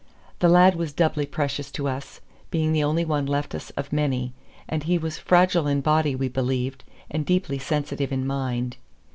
The lad was doubly precious to us, being the only one left us of many; and he was fragile in body, we believed, and deeply sensitive in mind.